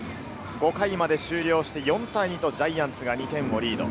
５回まで終了して、４対２とジャイアンツが２点をリード。